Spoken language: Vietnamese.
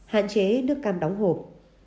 hạn chế nước cam đóng hộp